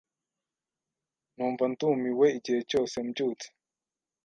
Numva ndumiwe igihe cyose mbyutse.